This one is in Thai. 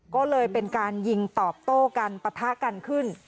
ก็เลยเป็นการยิงตอบโต้กันปะทะกันขึ้น